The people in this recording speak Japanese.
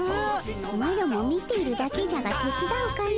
マロも見ているだけじゃがてつだうかの。